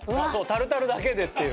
タルタルだけでっていう。